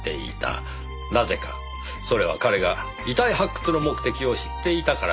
それは彼が遺体発掘の目的を知っていたからです。